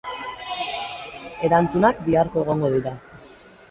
Erantzunak biharko egongo dira.